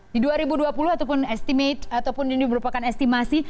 di dua ribu dua puluh ataupun ini merupakan estimasi